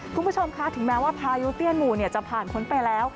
คุณผู้ชมคะถึงแม้ว่าพายุเตี้ยนหมู่จะผ่านพ้นไปแล้ว